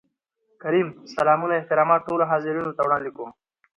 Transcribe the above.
کريم : سلامونه احترامات ټولو حاضرينو ته وړاندې کوم.